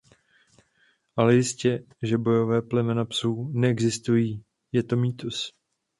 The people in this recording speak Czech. Ale jistě že "bojové" plemena psů neexistují je to mýtus.